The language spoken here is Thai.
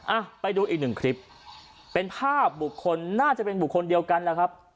อ่ะไปดูอีกหนึ่งคลิปเป็นภาพบุคคลน่าจะเป็นบุคคลเดียวกันนะครับ